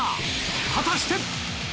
果たして。